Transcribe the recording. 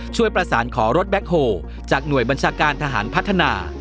ช่วยประสานขอรถแบ็คโฮลจากหน่วยบัญชาการทหารพัฒนา